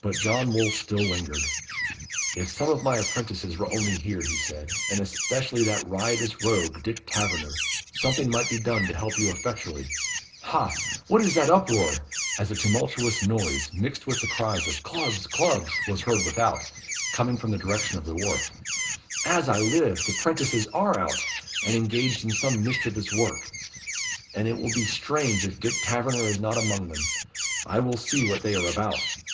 But John Wolfe still lingered. "If some of my apprentices were only here," he said, "and especially that riotous rogue, Dick Taverner, something might be done to help you effectually. Ha! what is that uproar?" as a tumultuous noise, mixed with the cries of "Clubs! Clubs!" was heard without, coming from the direction of the wharf. "As I live! the 'prentices are out, and engaged in some mischievous work, and it will be strange if Dick Taverner be not among them. I will see what they are about."